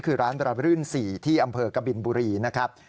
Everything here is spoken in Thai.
คือร้านบราบรื่น๔ที่อำเภอกบินบุรีนะครับ